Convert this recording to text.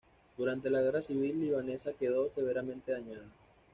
Durante la guerra civil libanesa quedó severamente dañada.